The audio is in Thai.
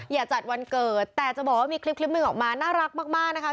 อย่าจัดวันเกิดแต่จะบอกว่ามีคลิปหนึ่งออกมาน่ารักมากนะคะ